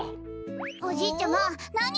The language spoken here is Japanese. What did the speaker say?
おじいちゃまなに？